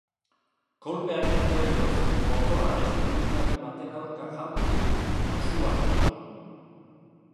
Kolpearen ondorioz, motorra beste ibilgailu baten aurka jaurti eta su hartu du.